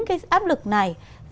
cái áp lực này